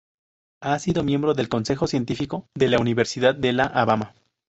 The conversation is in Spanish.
Ha sido miembro del Consejo Científico de la Universidad de La Habana.